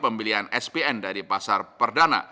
pembelian spn dari pasar perdana